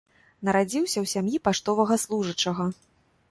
Нарадзіўся ў сям'і паштовага служачага.